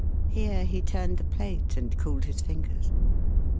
" Here he turned the plate, and cooled his fingers.